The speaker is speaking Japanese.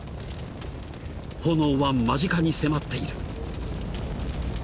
［炎は間近に迫っている］